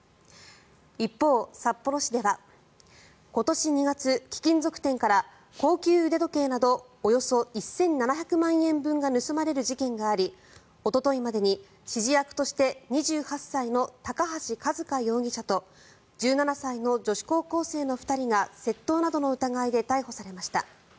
一方、札幌市では今年２月、貴金属店から高級腕時計などおよそ１７００万円分が盗まれる事件がありおとといまでに指示役として２８歳の高橋一風容疑者と１７歳の女子高校生の２人が窃盗などの疑いで逮捕されました。